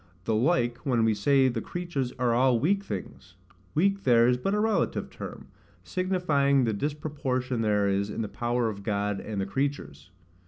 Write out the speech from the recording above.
The like when we say the creatures are all weak things; weak there is but a relative term, signifying the disproportion there is in the power of God and the creatures.